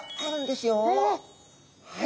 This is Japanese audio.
はい。